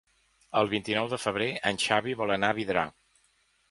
El vint-i-nou de febrer en Xavi vol anar a Vidrà.